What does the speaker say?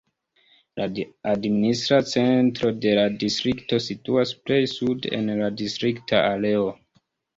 La administra centro de la distrikto situas plej sude en la distrikta areo.